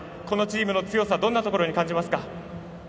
このチームの強さどんなところに感じますか？